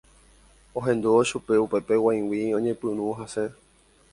Ohendúvo chupe upe g̃uaig̃uimi oñepyrũ hasẽ